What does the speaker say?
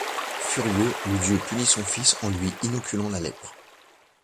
Furieux, le dieu punit son fils en lui inoculant la lèpre.